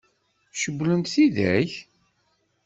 Cewwlent-t tidak?